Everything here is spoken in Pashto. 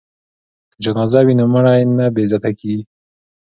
که جنازه وي نو مړی نه بې عزته کیږي.